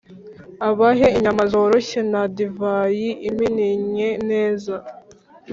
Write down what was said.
abahe inyama zoroshye na divayi imininnye neza.